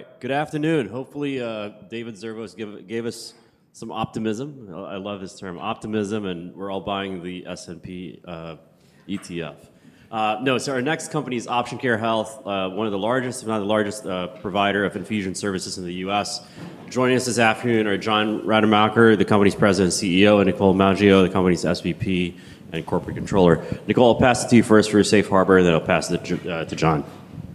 All right, good afternoon. Hopefully, David Zervos gave us some optimism. I love his term, optimism, and we're all buying the S&P ETF. Our next company is Option Care Health, one of the largest, if not the largest, provider of infusion services in the U.S. Joining us this afternoon are John Rademacher, the company's President and CEO, and Nicole Maggio, the company's Senior Vice President and Corporate Controller. Nicole, I'll pass it to you first for a safe harbor, and then I'll pass it to John.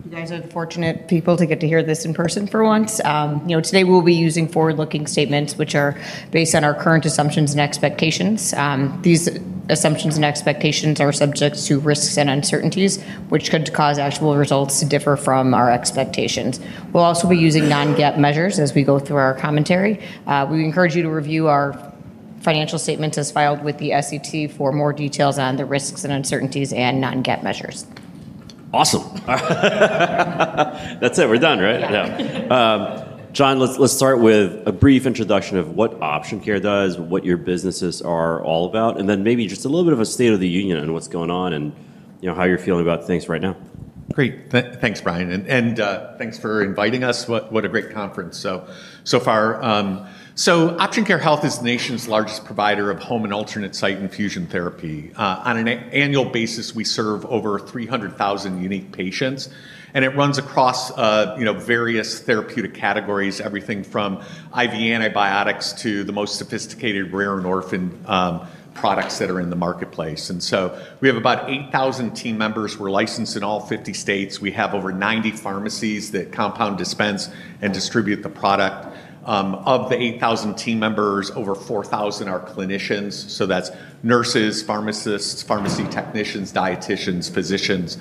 You guys are the fortunate people to get to hear this in person for once. Today we'll be using forward-looking statements, which are based on our current assumptions and expectations. These assumptions and expectations are subject to risks and uncertainties, which could cause actual results to differ from our expectations. We'll also be using non-GAAP measures as we go through our commentary. We encourage you to review our financial statements as filed with the SEC for more details on the risks and uncertainties and non-GAAP measures. Awesome. That's it. We're done, right? Yeah. John, let's start with a brief introduction of what Option Care Health does, what your businesses are all about, and then maybe just a little bit of a state of the union and what's going on, you know, how you're feeling about things right now. Great. Thanks, Brian. Thanks for inviting us. What a great conference. So far, Option Care Health is the nation's largest provider of home and alternate site infusion therapy. On an annual basis, we serve over 300,000 unique patients. It runs across various therapeutic categories, everything from IV antibiotics to the most sophisticated rare and orphan products that are in the marketplace. We have about 8,000 team members. We're licensed in all 50 states. We have over 90 pharmacies that compound, dispense, and distribute the product. Of the 8,000 team members, over 4,000 are clinicians. That's nurses, pharmacists, pharmacy technicians, dietitians, physicians,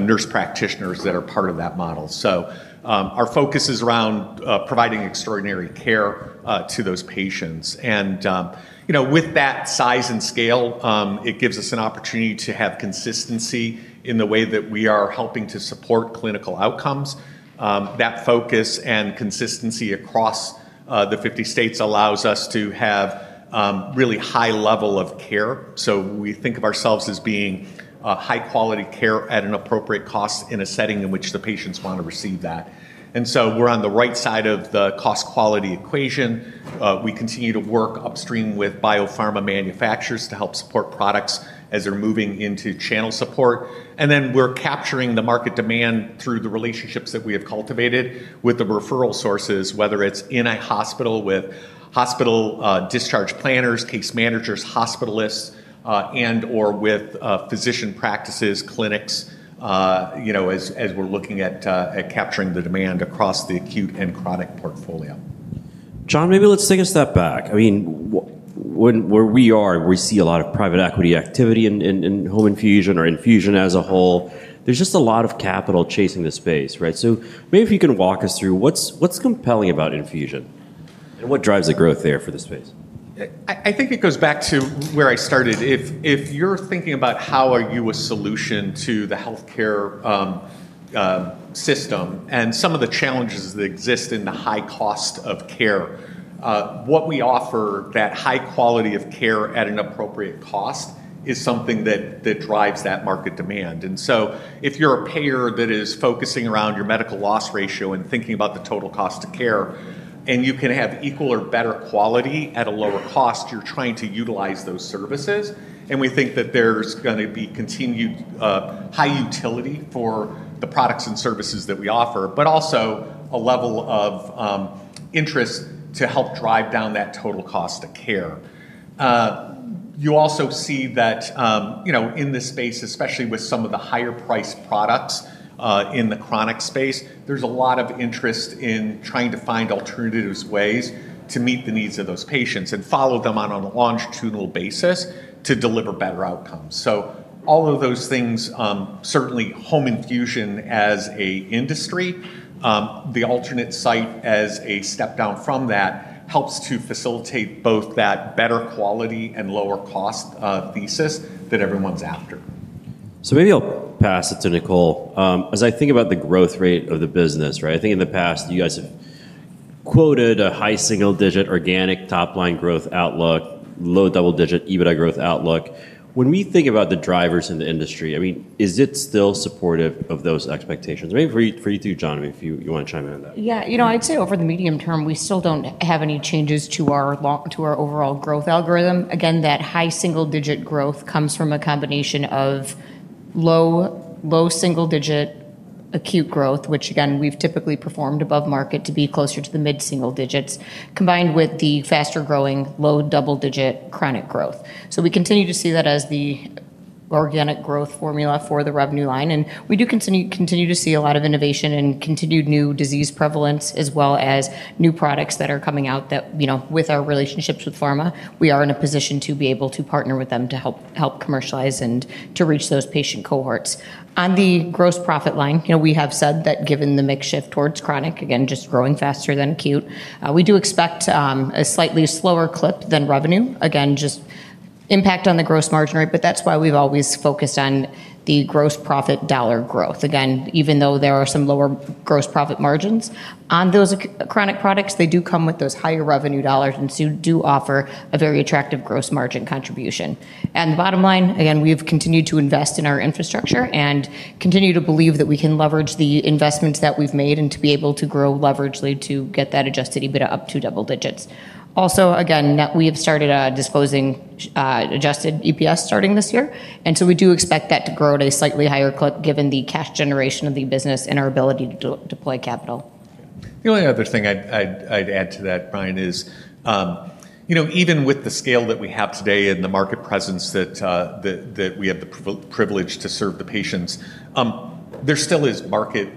nurse practitioners that are part of that model. Our focus is around providing extraordinary care to those patients. With that size and scale, it gives us an opportunity to have consistency in the way that we are helping to support clinical outcomes. That focus and consistency across the 50 states allows us to have a really high level of care. We think of ourselves as being high quality care at an appropriate cost in a setting in which the patients want to receive that. We're on the right side of the cost quality equation. We continue to work upstream with biopharma manufacturers to help support products as they're moving into channel support. We're capturing the market demand through the relationships that we have cultivated with the referral sources, whether it's in a hospital with hospital discharge planners, case managers, hospitalists, and/or with physician practices, clinics, as we're looking at capturing the demand across the acute and chronic portfolio. John, maybe let's take a step back. Where we are, we see a lot of private equity activity in home infusion or infusion as a whole. There's just a lot of capital chasing the space, right? Maybe if you can walk us through what's compelling about infusion and what drives the growth there for the space. I think it goes back to where I started. If you're thinking about how are you a solution to the healthcare system and some of the challenges that exist in the high cost of care, what we offer, that high quality of care at an appropriate cost, is something that drives that market demand. If you're a payer that is focusing around your medical loss ratio and thinking about the total cost of care, and you can have equal or better quality at a lower cost, you're trying to utilize those services. We think that there's going to be continued high utility for the products and services that we offer, but also a level of interest to help drive down that total cost of care. You also see that in this space, especially with some of the higher priced products in the chronic space, there's a lot of interest in trying to find alternative ways to meet the needs of those patients and follow them on a longitudinal basis to deliver better outcomes. All of those things, certainly home infusion as an industry, the alternate site as a step down from that, helps to facilitate both that better quality and lower cost thesis that everyone's after. Maybe I'll pass it to Nicole. As I think about the growth rate of the business, I think in the past you guys have quoted a high single digit organic top line growth outlook, low double digit adjusted EBITDA growth outlook. When we think about the drivers in the industry, is it still supportive of those expectations? Maybe for you too, John, if you want to chime in on that. Yeah, you know, I'd say over the medium term, we still don't have any changes to our overall growth algorithm. Again, that high single digit growth comes from a combination of low single digit acute growth, which, again, we've typically performed above market to be closer to the mid single digits, combined with the faster growing low double digit chronic growth. We continue to see that as the organic growth formula for the revenue line. We do continue to see a lot of innovation and continued new disease prevalence, as well as new products that are coming out that, you know, with our relationships with pharma, we are in a position to be able to partner with them to help commercialize and to reach those patient cohorts. On the gross profit line, we have said that given the mix shift towards chronic, again, just growing faster than acute, we do expect a slightly slower clip than revenue, just impact on the gross margin rate. That's why we've always focused on the gross profit dollar growth. Even though there are some lower gross profit margins on those chronic products, they do come with those higher revenue dollars and do offer a very attractive gross margin contribution. The bottom line, we have continued to invest in our infrastructure and continue to believe that we can leverage the investments that we've made and to be able to grow leveragedly to get that adjusted EBITDA up to double digits. Also, we have started disclosing adjusted EPS starting this year. We do expect that to grow at a slightly higher clip given the cash generation of the business and our ability to deploy capital. The only other thing I'd add to that, Brian, is, you know, even with the scale that we have today and the market presence that we have the privilege to serve the patients, there still is market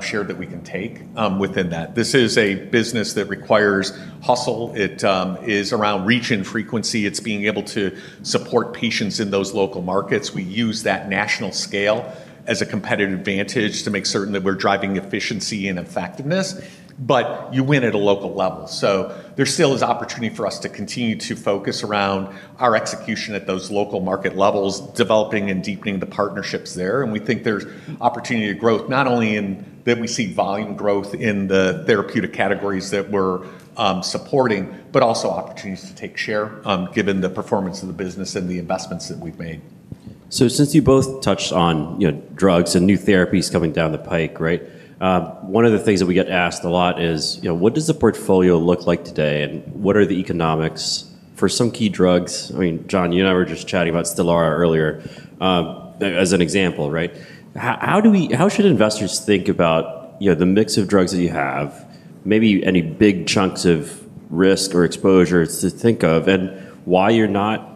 share that we can take within that. This is a business that requires hustle. It is around reach and frequency. It's being able to support patients in those local markets. We use that national scale as a competitive advantage to make certain that we're driving efficiency and effectiveness. You win at a local level. There still is opportunity for us to continue to focus around our execution at those local market levels, developing and deepening the partnerships there. We think there's opportunity to grow not only in that we see volume growth in the therapeutic categories that we're supporting, but also opportunities to take share given the performance of the business and the investments that we've made. Since you both touched on drugs and new therapies coming down the pike, one of the things that we get asked a lot is, what does the portfolio look like today and what are the economics for some key drugs? I mean, John, you and I were just chatting about Stelara earlier, as an example, right? How should investors think about the mix of drugs that you have, maybe any big chunks of risk or exposures to think of and why you're not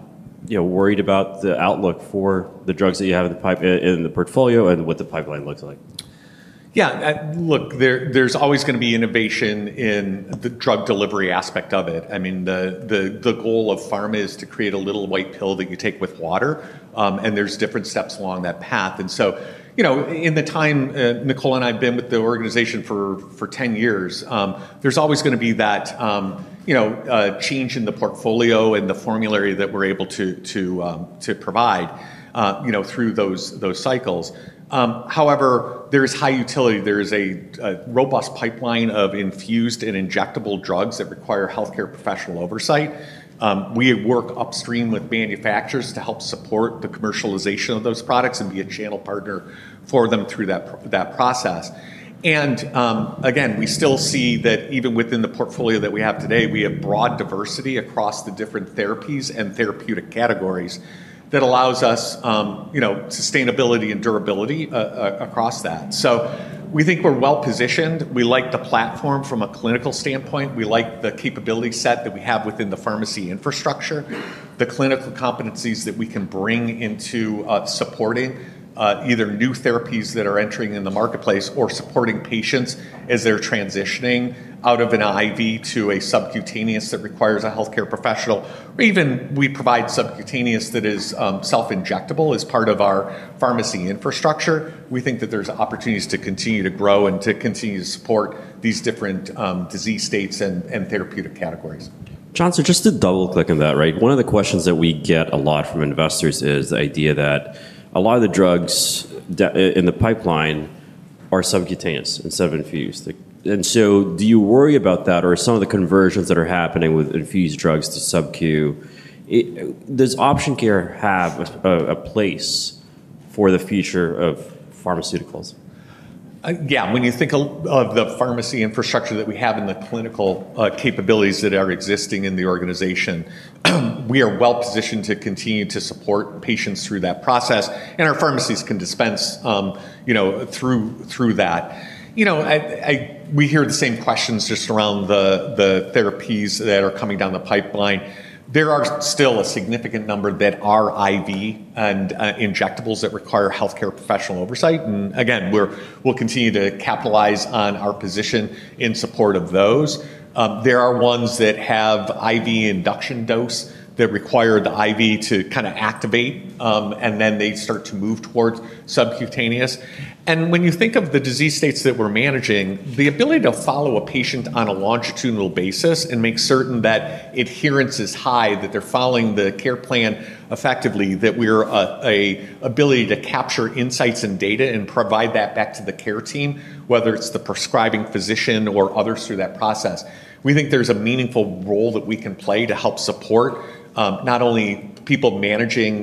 worried about the outlook for the drugs that you have in the pipeline and the portfolio and what the pipeline looks like? Yeah, look, there's always going to be innovation in the drug delivery aspect of it. I mean, the goal of pharma is to create a little white pill that you take with water. There's different steps along that path. In the time Nicole and I have been with the organization for 10 years, there's always going to be that change in the portfolio and the formulary that we're able to provide through those cycles. However, there is high utility. There is a robust pipeline of infused and injectable drugs that require healthcare professional oversight. We work upstream with manufacturers to help support the commercialization of those products and be a channel partner for them through that process. We still see that even within the portfolio that we have today, we have broad diversity across the different therapies and therapeutic categories that allows us sustainability and durability across that. We think we're well positioned. We like the platform from a clinical standpoint. We like the capability set that we have within the pharmacy infrastructure, the clinical competencies that we can bring into supporting either new therapies that are entering in the marketplace or supporting patients as they're transitioning out of an IV to a subcutaneous that requires a healthcare professional, or even we provide subcutaneous that is self-injectable as part of our pharmacy infrastructure. We think that there's opportunities to continue to grow and to continue to support these different disease states and therapeutic categories. John, just to double click on that, right? One of the questions that we get a lot from investors is the idea that a lot of the drugs in the pipeline are subcutaneous and subinfused. Do you worry about that or some of the conversions that are happening with infused drugs to subQ? Does Option Care Health have a place for the future of pharmaceuticals? Yeah, when you think of the pharmacy infrastructure that we have and the clinical capabilities that are existing in the organization, we are well positioned to continue to support patients through that process. Our pharmacies can dispense through that. We hear the same questions just around the therapies that are coming down the pipeline. There are still a significant number that are IV and injectables that require healthcare professional oversight. We will continue to capitalize on our position in support of those. There are ones that have IV induction dose that require the IV to kind of activate, and then they start to move towards subcutaneous. When you think of the disease states that we're managing, the ability to follow a patient on a longitudinal basis and make certain that adherence is high, that they're following the care plan effectively, that we're able to capture insights and data and provide that back to the care team, whether it's the prescribing physician or others through that process. We think there's a meaningful role that we can play to help support not only people managing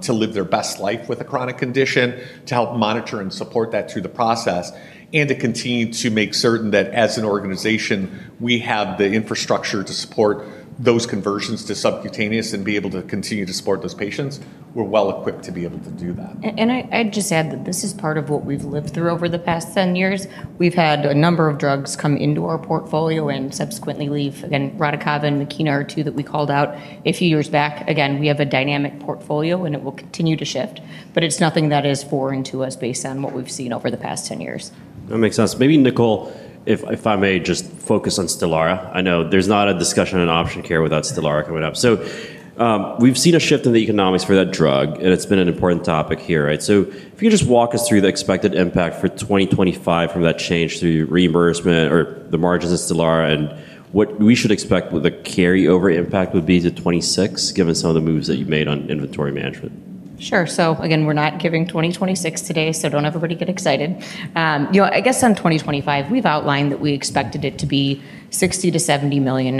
to live their best life with a chronic condition, to help monitor and support that through the process, and to continue to make certain that as an organization, we have the infrastructure to support those conversions to subcutaneous and be able to continue to support those patients. We're well equipped to be able to do that. This is part of what we've lived through over the past 10 years. We've had a number of drugs come into our portfolio and subsequently leave, again, Radicava, the KINR2 that we called out a few years back. We have a dynamic portfolio and it will continue to shift. It's nothing that is foreign to us based on what we've seen over the past 10 years. That makes sense. Maybe, Nicole, if I may just focus on Stelara. I know there's not a discussion in Option Care Health without Stelara coming up. We've seen a shift in the economics for that drug, and it's been an important topic here, right? If you could just walk us through the expected impact for 2025 from that change to reimbursement or the margins of Stelara and what we should expect the carryover impact would be to 2026, given some of the moves that you've made on inventory management. Sure. Again, we're not giving 2026 today, so don't everybody get excited. I guess on 2025, we've outlined that we expected it to be $60 million-$70 million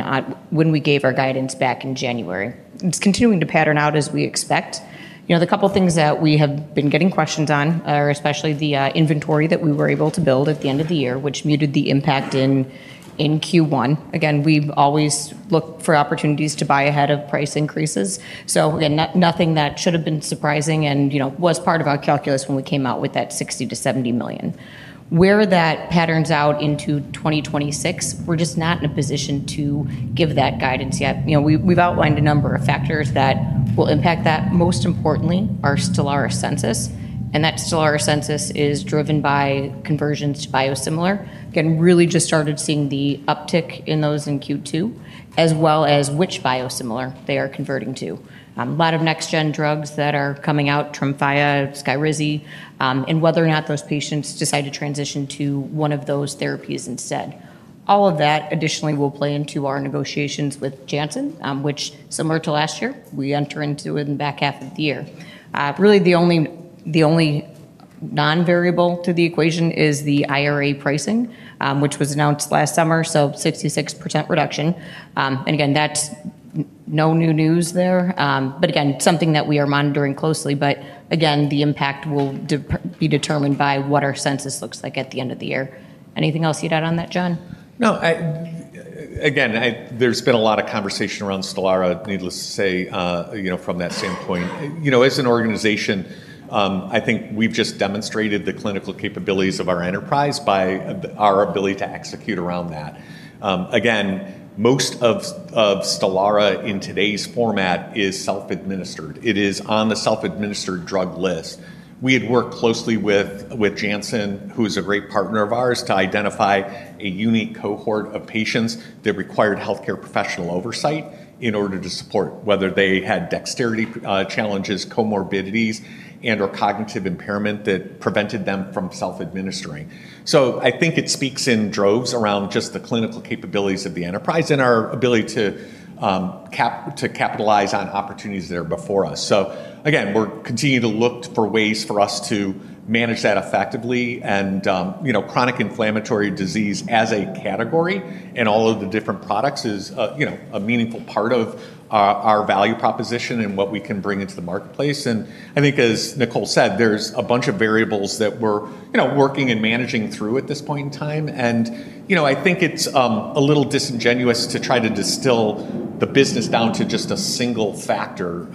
when we gave our guidance back in January. It's continuing to pattern out as we expect. The couple of things that we have been getting questions on are especially the inventory that we were able to build at the end of the year, which muted the impact in Q1. We've always looked for opportunities to buy ahead of price increases. Nothing that should have been surprising and was part of our calculus when we came out with that $60 million-$70 million. Where that patterns out into 2026, we're just not in a position to give that guidance yet. We've outlined a number of factors that will impact that. Most importantly, our Stelara census. That Stelara census is driven by conversions to biosimilars. Really just started seeing the uptick in those in Q2, as well as which biosimilar they are converting to. A lot of next-gen drugs that are coming out, Tremfya, Skyrizi, and whether or not those patients decide to transition to one of those therapies instead. All of that additionally will play into our negotiations with Janssen, which, similar to last year, we enter into in the back half of the year. The only non-variable to the equation is the IRA pricing, which was announced last summer. 66% reduction. That's no new news there, but something that we are monitoring closely. The impact will be determined by what our census looks like at the end of the year. Anything else you'd add on that, John? No. Again, there's been a lot of conversation around Stelara, needless to say, you know, from that standpoint. As an organization, I think we've just demonstrated the clinical capabilities of our enterprise by our ability to execute around that. Most of Stelara in today's format is self-administered. It is on the self-administered drug list. We had worked closely with Janssen, who is a great partner of ours, to identify a unique cohort of patients that required healthcare professional oversight in order to support, whether they had dexterity challenges, comorbidities, and/or cognitive impairment that prevented them from self-administering. I think it speaks in droves around just the clinical capabilities of the enterprise and our ability to capitalize on opportunities that are before us. We're continuing to look for ways for us to manage that effectively. Chronic inflammatory disease as a category and all of the different products is a meaningful part of our value proposition and what we can bring into the marketplace. I think, as Nicole said, there's a bunch of variables that we're working and managing through at this point in time. I think it's a little disingenuous to try to distill the business down to just a single factor.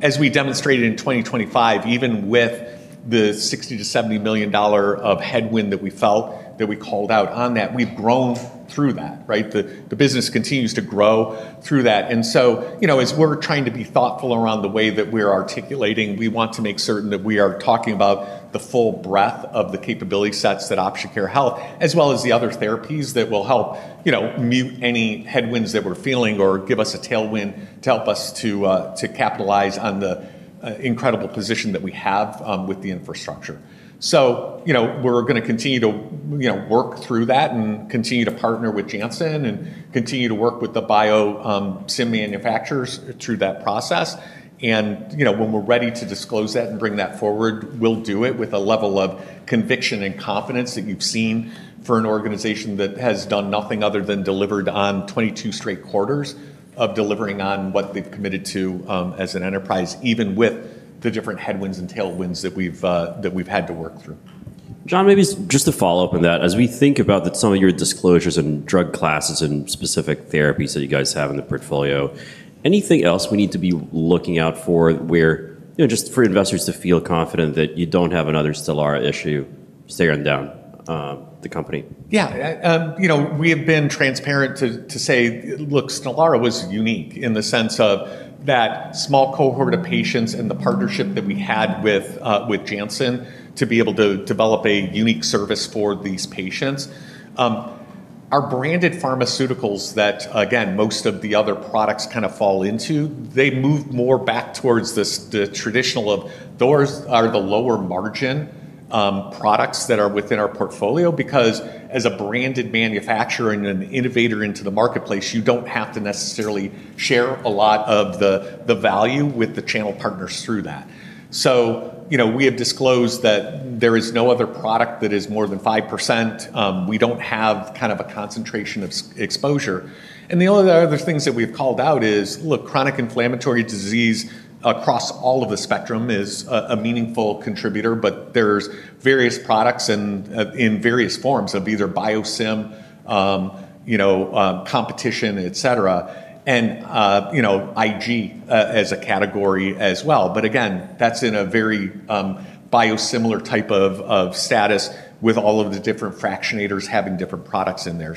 As we demonstrated in 2025, even with the $60 million-$70 million of headwind that we felt that we called out on that, we've grown through that, right? The business continues to grow through that. As we're trying to be thoughtful around the way that we're articulating, we want to make certain that we are talking about the full breadth of the capability sets that Option Care Health, as well as the other therapies that will help mute any headwinds that we're feeling or give us a tailwind to help us to capitalize on the incredible position that we have with the infrastructure. We're going to continue to work through that and continue to partner with Janssen and continue to work with the biosim manufacturers through that process. When we're ready to disclose that and bring that forward, we'll do it with a level of conviction and confidence that you've seen for an organization that has done nothing other than delivered on 22 straight quarters of delivering on what they've committed to as an enterprise, even with the different headwinds and tailwinds that we've had to work through. John, maybe just a follow-up on that. As we think about some of your disclosures and drug classes and specific therapies that you guys have in the portfolio, anything else we need to be looking out for where, you know, just for investors to feel confident that you don't have another Stelara issue staring down the company? Yeah, you know, we have been transparent to say, look, Stelara was unique in the sense of that small cohort of patients and the partnership that we had with Janssen to be able to develop a unique service for these patients. Our branded pharmaceuticals that, again, most of the other products kind of fall into, they move more back towards the traditional of those are the lower margin products that are within our portfolio because as a branded manufacturer and an innovator into the marketplace, you don't have to necessarily share a lot of the value with the channel partners through that. We have disclosed that there is no other product that is more than 5%. We don't have kind of a concentration of exposure. The other things that we've called out are chronic inflammatory disease across all of the spectrum is a meaningful contributor, but there are various products in various forms of either biosim, you know, competition, et cetera, and, you know, Ig as a category as well. That is in a very biosimilar type of status with all of the different fractionators having different products in there.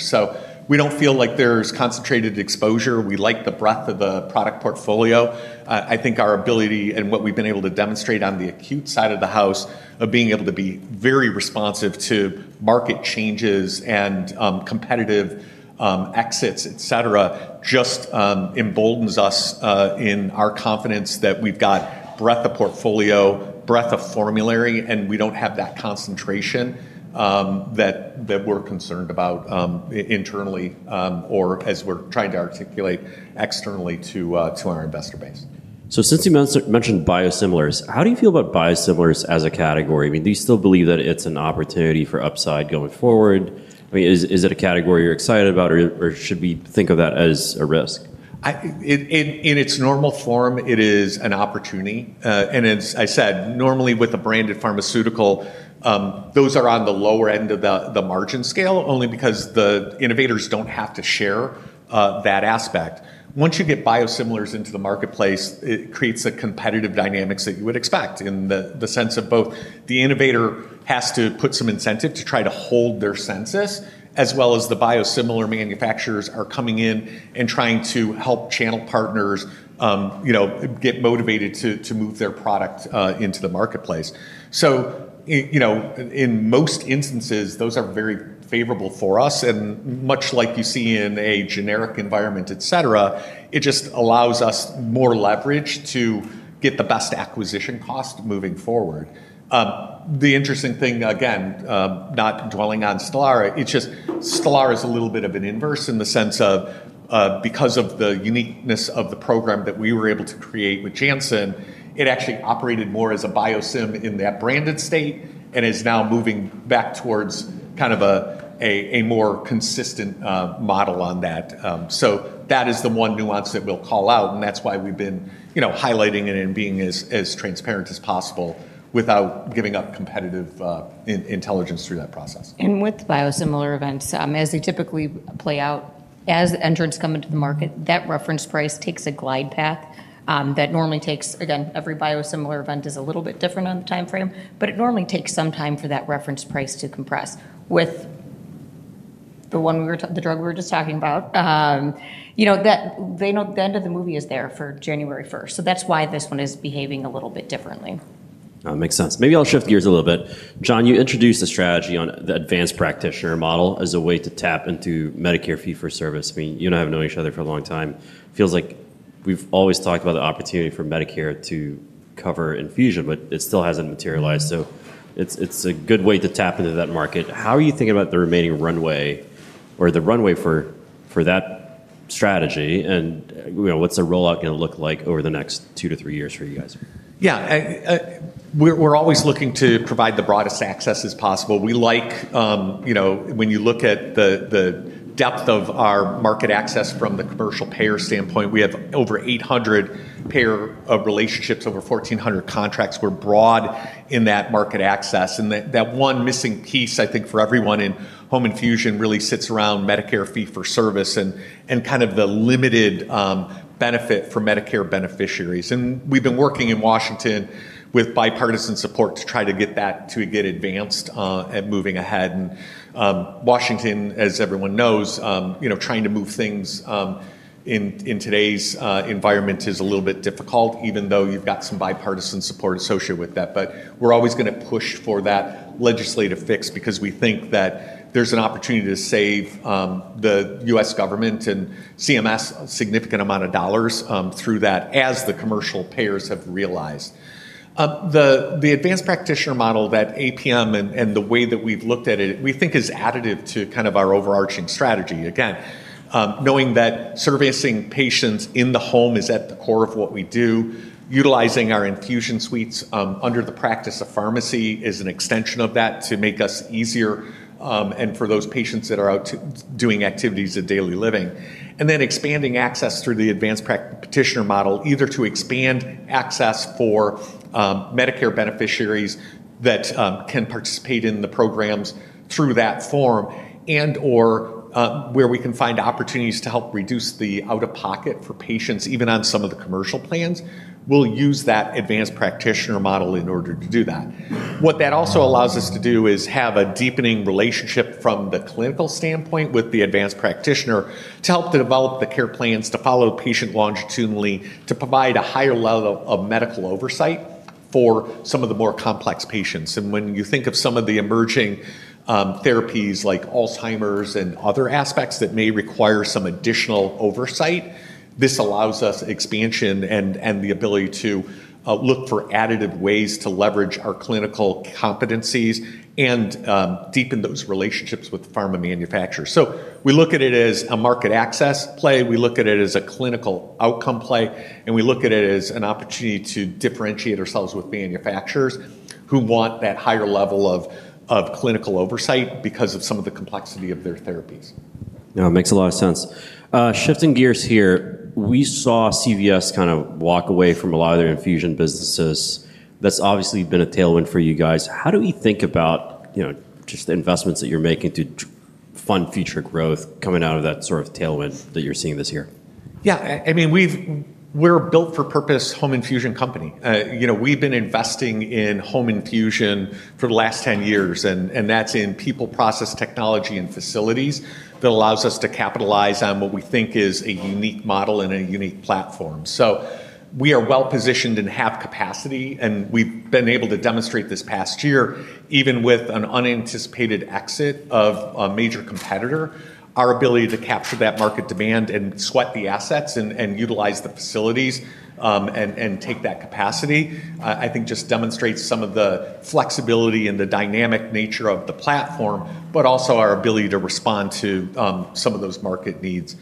We don't feel like there's concentrated exposure. We like the breadth of the product portfolio. I think our ability and what we've been able to demonstrate on the acute side of the house of being able to be very responsive to market changes and competitive exits, et cetera, just emboldens us in our confidence that we've got breadth of portfolio, breadth of formulary, and we don't have that concentration that we're concerned about internally or as we're trying to articulate externally to our investor base. Since you mentioned biosimilars, how do you feel about biosimilars as a category? Do you still believe that it's an opportunity for upside going forward? Is it a category you're excited about or should we think of that as a risk? In its normal form, it is an opportunity. As I said, normally with a branded pharmaceutical, those are on the lower end of the margin scale only because the innovators don't have to share that aspect. Once you get biosimilars into the marketplace, it creates a competitive dynamic that you would expect in the sense of both the innovator has to put some incentive to try to hold their census, as well as the biosimilar manufacturers are coming in and trying to help channel partners get motivated to move their product into the marketplace. In most instances, those are very favorable for us. Much like you see in a generic environment, it just allows us more leverage to get the best acquisition cost moving forward. The interesting thing, again, not dwelling on Stelara, it's just Stelara is a little bit of an inverse in the sense of because of the uniqueness of the program that we were able to create with Janssen, it actually operated more as a biosim in that branded state and is now moving back towards kind of a more consistent model on that. That is the one nuance that we'll call out. That's why we've been highlighting it and being as transparent as possible without giving up competitive intelligence through that process. With biosimilar events, as they typically play out, as entrants come into the market, that reference price takes a glide path that normally takes, again, every biosimilar event is a little bit different on the timeframe, but it normally takes some time for that reference price to compress. With the one we were, the drug we were just talking about, you know, they know the end of the movie is there for January 1st. That's why this one is behaving a little bit differently. That makes sense. Maybe I'll shift gears a little bit. John, you introduced a strategy on the advanced practitioner model as a way to tap into Medicare fee-for-service. I mean, you and I have known each other for a long time. It feels like we've always talked about the opportunity for Medicare to cover infusion, but it still hasn't materialized. It's a good way to tap into that market. How are you thinking about the remaining runway or the runway for that strategy? What's the rollout going to look like over the next two to three years for you guys? Yeah, we're always looking to provide the broadest access as possible. When you look at the depth of our market access from the commercial payer standpoint, we have over 800 payer relationships, over 1,400 contracts. We're broad in that market access. That one missing piece, I think, for everyone in home infusion really sits around Medicare fee-for-service and kind of the limited benefit for Medicare beneficiaries. We've been working in Washington with bipartisan support to try to get that to get advanced and moving ahead. Washington, as everyone knows, trying to move things in today's environment is a little bit difficult, even though you've got some bipartisan support associated with that. We're always going to push for that legislative fix because we think that there's an opportunity to save the U.S. government and CMS a significant amount of dollars through that as the commercial payers have realized. The advanced practitioner model, that APM and the way that we've looked at it, we think is additive to kind of our overarching strategy. Again, knowing that servicing patients in the home is at the core of what we do, utilizing our infusion suites under the practice of pharmacy is an extension of that to make us easier and for those patients that are out doing activities of daily living. Expanding access through the advanced practitioner model, either to expand access for Medicare beneficiaries that can participate in the programs through that form and/or where we can find opportunities to help reduce the out-of-pocket for patients, even on some of the commercial plans. We'll use that advanced practitioner model in order to do that. What that also allows us to do is have a deepening relationship from the clinical standpoint with the advanced practitioner to help develop the care plans to follow patient longitudinally, to provide a higher level of medical oversight for some of the more complex patients. When you think of some of the emerging therapies like Alzheimer's and other aspects that may require some additional oversight, this allows us expansion and the ability to look for additive ways to leverage our clinical competencies and deepen those relationships with pharma manufacturers. We look at it as a market access play. We look at it as a clinical outcome play. We look at it as an opportunity to differentiate ourselves with manufacturers who want that higher level of clinical oversight because of some of the complexity of their therapies. Now, it makes a lot of sense. Shifting gears here, we saw CVS kind of walk away from a lot of their infusion businesses. That's obviously been a tailwind for you guys. How do we think about just the investments that you're making to fund future growth coming out of that sort of tailwind that you're seeing this year? Yeah, I mean, we're a built-for-purpose home infusion company. We've been investing in home infusion for the last 10 years, and that's in people, process, technology, and facilities that allows us to capitalize on what we think is a unique model and a unique platform. We are well positioned and have capacity, and we've been able to demonstrate this past year, even with an unanticipated exit of a major competitor, our ability to capture that market demand and sweat the assets and utilize the facilities and take that capacity, I think just demonstrates some of the flexibility and the dynamic nature of the platform, but also our ability to respond to some of those market needs.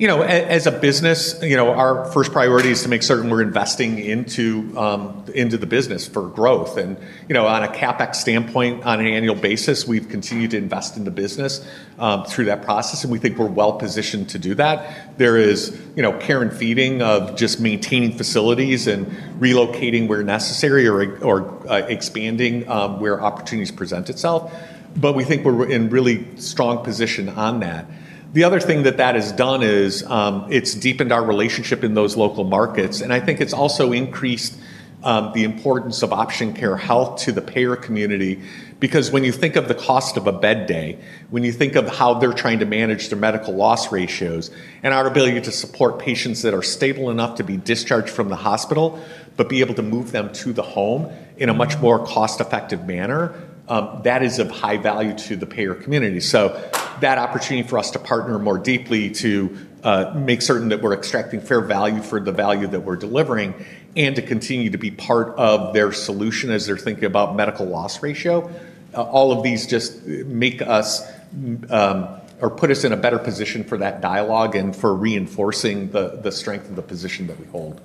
As a business, our first priority is to make certain we're investing into the business for growth. On a CapEx standpoint, on an annual basis, we've continued to invest in the business through that process, and we think we're well positioned to do that. There is care and feeding of just maintaining facilities and relocating where necessary or expanding where opportunities present itself. We think we're in a really strong position on that. The other thing that has done is it's deepened our relationship in those local markets. I think it's also increased the importance of Option Care Health to the payer community because when you think of the cost of a bed day, when you think of how they're trying to manage their medical loss ratios and our ability to support patients that are stable enough to be discharged from the hospital, but be able to move them to the home in a much more cost-effective manner, that is of high value to the payer community. That opportunity for us to partner more deeply to make certain that we're extracting fair value for the value that we're delivering and to continue to be part of their solution as they're thinking about medical loss ratio, all of these just make us or put us in a better position for that dialogue and for reinforcing the strength of the position that we hold.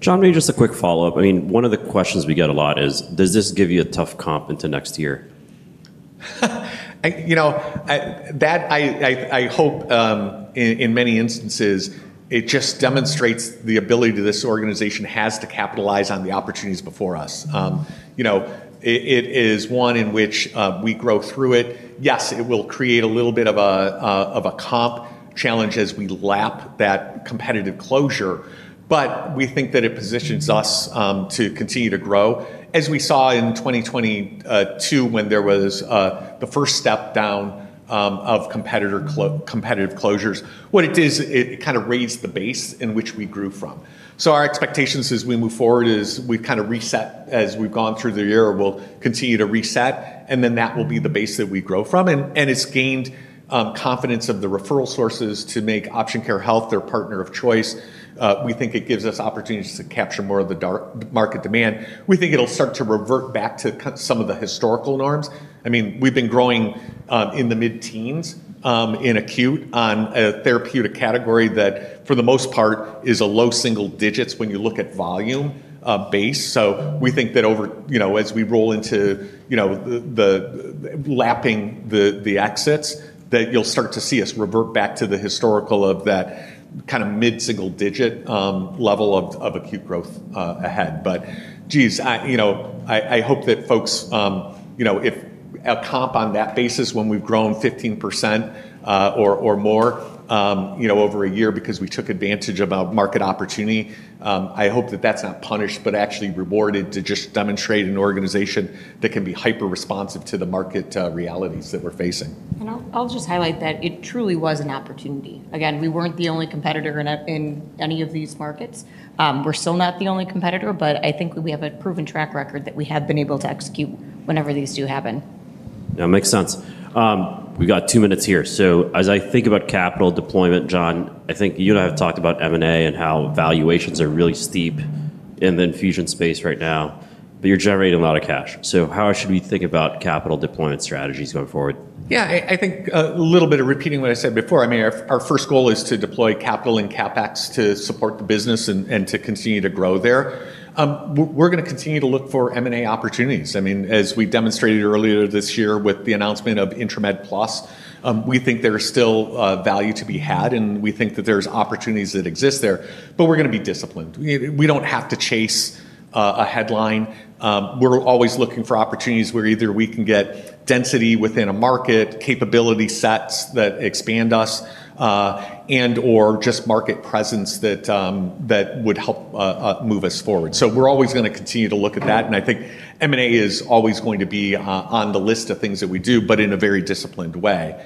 John, maybe just a quick follow-up. I mean, one of the questions we get a lot is, does this give you a tough comp into next year? I hope in many instances, it just demonstrates the ability that this organization has to capitalize on the opportunities before us. It is one in which we grow through it. Yes, it will create a little bit of a comp challenge as we lap that competitive closure, but we think that it positions us to continue to grow. As we saw in 2022 when there was the first step down of competitive closures, what it did is it kind of raised the base in which we grew from. Our expectations as we move forward is we kind of reset as we've gone through the year. We'll continue to reset, and that will be the base that we grow from. It's gained confidence of the referral sources to make Option Care Health their partner of choice. We think it gives us opportunities to capture more of the market demand. We think it'll start to revert back to some of the historical norms. We've been growing in the mid-teens in acute on a therapeutic category that for the most part is a low single digits when you look at volume base. We think that over, as we roll into lapping the exits, you'll start to see us revert back to the historical of that kind of mid-single digit level of acute growth ahead. I hope that folks, if a comp on that basis when we've grown 15% or more over a year because we took advantage of a market opportunity, I hope that that's not punished, but actually rewarded to just demonstrate an organization that can be hyper-responsive to the market realities that we're facing. It truly was an opportunity. We weren't the only competitor in any of these markets. We're still not the only competitor, but I think we have a proven track record that we have been able to execute whenever these do happen. Yeah, it makes sense. We got two minutes here. As I think about capital deployment, John, I think you and I have talked about M&A and how valuations are really steep in the infusion space right now. You're generating a lot of cash. How should we think about capital deployment strategies going forward? Yeah, I think a little bit of repeating what I said before. I mean, our first goal is to deploy capital and CapEx to support the business and to continue to grow there. We're going to continue to look for M&A opportunities. I mean, as we demonstrated earlier this year with the announcement of Intramed Plus, we think there's still value to be had, and we think that there's opportunities that exist there, but we're going to be disciplined. We don't have to chase a headline. We're always looking for opportunities where either we can get density within a market, capability sets that expand us, and/or just market presence that would help move us forward. We're always going to continue to look at that. I think M&A is always going to be on the list of things that we do, but in a very disciplined way.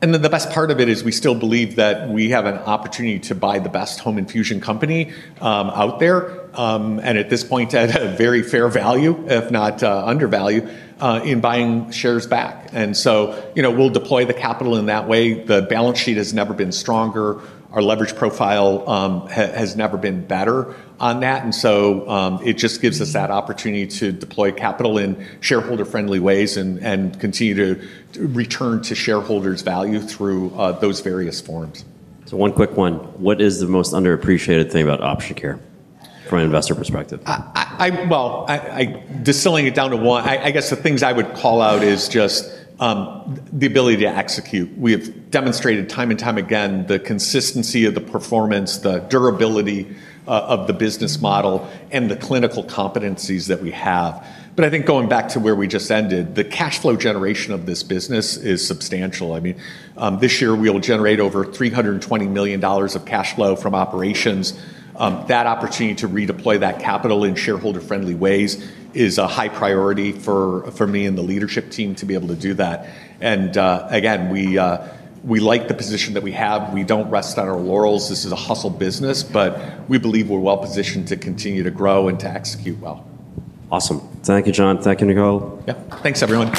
The best part of it is we still believe that we have an opportunity to buy the best home infusion company out there. At this point, at a very fair value, if not undervalued, in buying shares back. You know, we'll deploy the capital in that way. The balance sheet has never been stronger. Our leverage profile has never been better on that. It just gives us that opportunity to deploy capital in shareholder-friendly ways and continue to return to shareholders' value through those various forms. What is the most underappreciated thing about Option Care from an investor perspective? I guess the things I would call out is just the ability to execute. We have demonstrated time and time again the consistency of the performance, the durability of the business model, and the clinical competencies that we have. Going back to where we just ended, the cash flow generation of this business is substantial. I mean, this year we'll generate over $320 million of cash flow from operations. That opportunity to redeploy that capital in shareholder-friendly ways is a high priority for me and the leadership team to be able to do that. We like the position that we have. We don't rest on our laurels. This is a hustle business, but we believe we're well positioned to continue to grow and to execute well. Awesome. Thank you, John. Thank you, Nicole. Yeah, thanks, everyone.